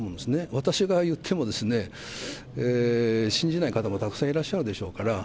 私が言っても信じない方もたくさんいらっしゃるでしょうから。